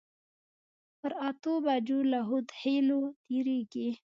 پر اتو بجو له هودخېلو تېرېږي.